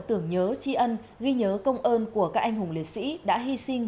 tưởng nhớ tri ân ghi nhớ công ơn của các anh hùng liệt sĩ đã hy sinh